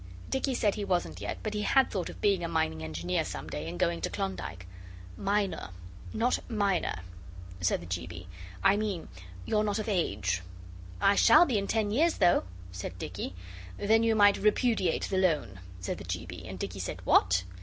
Dicky said he wasn't yet, but he had thought of being a mining engineer some day, and going to Klondike. 'Minor, not miner,' said the G. B. 'I mean you're not of age?' 'I shall be in ten years, though,' said Dicky. 'Then you might repudiate the loan,' said the G. B., and Dicky said 'What?